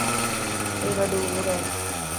اي وڏو حور هي.